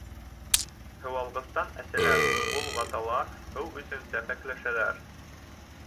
Һыуалғыстан әсәләр, болғаталар, һыу өсөн сәпәкләшәләр...